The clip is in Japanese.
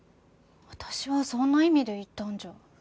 私はそんな意味で言ったんじゃ。